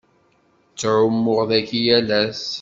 Ttɛummuɣ dagi yal ass.